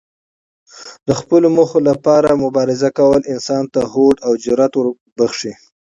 د خپلو موخو لپاره مبارزه کول انسان ته هوډ او جرات بښي.